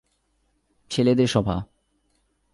ছেলেদের সভা।